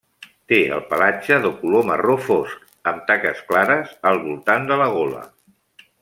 Té el pelatge de color marró fosc amb taques clares al voltant de la gola.